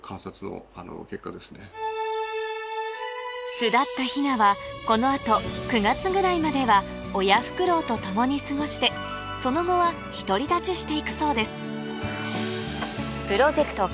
巣立ったヒナはこの後９月ぐらいまでは親フクロウと共に過ごしてその後はひとり立ちしていくそうです